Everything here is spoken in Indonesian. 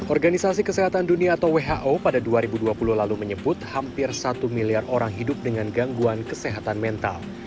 organisasi kesehatan dunia atau who pada dua ribu dua puluh lalu menyebut hampir satu miliar orang hidup dengan gangguan kesehatan mental